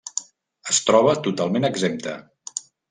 Es troba totalment exempta.